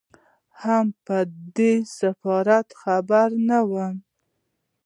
هم په دې سفارت خبر نه وو.